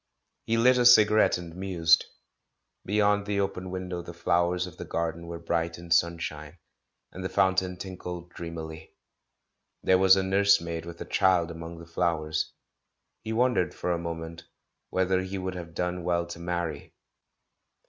He lit a cigarettCi and mused. Beyond the open window the flowers of the garden were bright in sunshine, and the fountain tinkled dreamily. There was a nurse maid with a child among the flowers; he won dered, for a moment, whether he would have done well to marry.